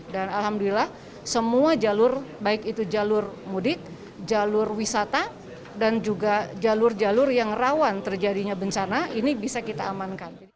dan alhamdulillah semua jalur baik itu jalur mudik jalur wisata dan juga jalur jalur yang rawan terjadinya bencana ini bisa kita amankan